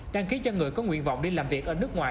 đăng ký cho người có nguyện vọng đi làm việc ở nước ngoài